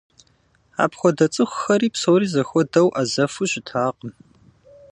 Апхуэдэ цӏыхухэри псори зэхуэдэу ӏэзэфу щытакъым.